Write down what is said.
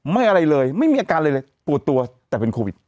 อะไรเลยไม่มีอาการอะไรเลยปวดตัวแต่เป็นโควิด